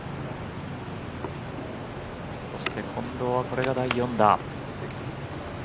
そして近藤はこれが第４打。